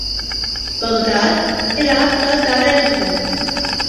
Baghdad عراق کا دار الحکومت